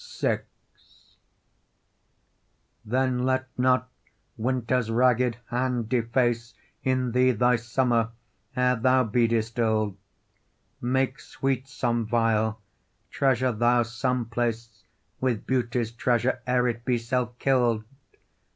VI Then let not winter's ragged hand deface, In thee thy summer, ere thou be distill'd: Make sweet some vial; treasure thou some place With beauty's treasure ere it be self kill'd.